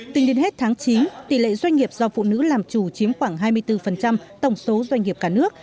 tính đến hết tháng chín tỷ lệ doanh nghiệp do phụ nữ làm chủ chiếm khoảng hai mươi bốn tổng số doanh nghiệp cả nước